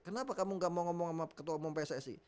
kenapa kamu gak mau ngomong sama ketua umum pssi